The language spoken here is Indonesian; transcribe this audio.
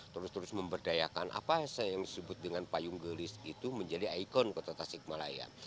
terus terus memberdayakan apa yang saya sebut dengan payung gelis itu menjadi ikon kota tasikmalaya